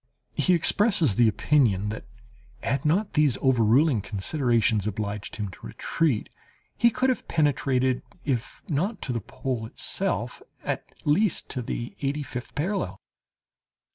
He expresses the opinion that, had not these overruling considerations obliged him to retreat, he could have penetrated, if not to the pole itself, at least to the eighty fifth parallel.